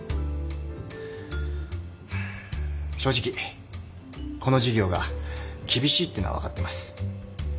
正直この事業が厳しいってのは分かってます。